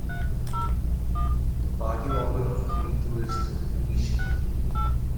The party organ of Komeito is the "Komei Shinbun".